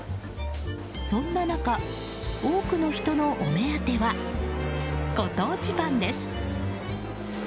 そんな中、多くの人のお目当てはご当地パンです。